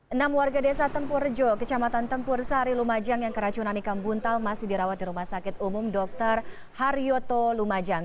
enam warga desa tempurjo kecamatan tempur sari lumajang yang keracunan ikan buntal masih dirawat di rumah sakit umum dr haryoto lumajang